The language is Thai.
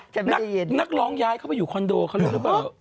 ฉันไม่ได้ยินนักร้องย้ายเข้าไปอยู่คอนโดเขารู้หรือเปล่า